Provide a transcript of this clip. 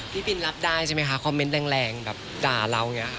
พี่บินรับได้ใช่ไหมคะคอมเมนต์แรงแบบด่าเราอย่างนี้